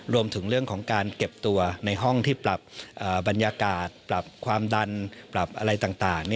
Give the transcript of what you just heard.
รวมถึงเรื่องของการเก็บตัวในห้องที่ปรับบรรยากาศปรับความดันปรับอะไรต่าง